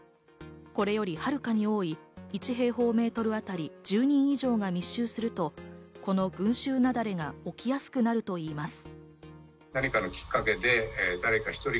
これよりはるかに多い、１平方メートルあたり１０人以上が密集するとこの群集雪崩が起きやすくなるといいます。